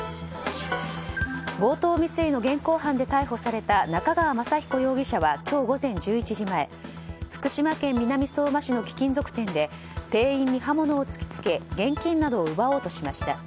強盗未遂の現行犯で逮捕された中川正彦容疑者は今日午前１１時前福島県南相馬市の貴金属店で店員に刃物を突き付け現金などを奪おうとしました。